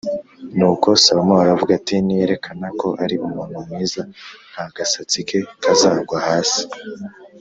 Nuko Salomo aravuga ati “Niyerekana ko ari umuntu mwiza nta gasatsi ke kazagwa hasi